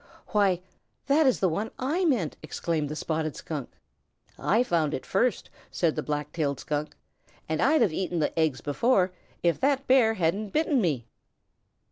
"Why, that is the one I meant," exclaimed the Spotted Skunk. "I found it first," said the Black tailed Skunk, "and I'd have eaten the eggs before if that Bear hadn't bitten me."